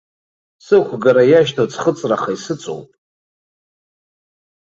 Сықәгара иашьҭоу ӡхыҵраха исыҵоуп.